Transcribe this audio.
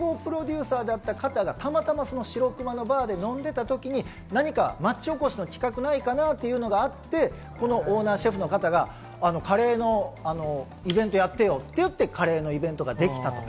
しかも総合プロデューサーであった方がたまたま４６ｍａのバーで飲んでた時に何か町おこしの企画ないかなぁというのがあって、このオーナーシェフの方がカレーのイベントやってよって言って、カレーのイベントができたと。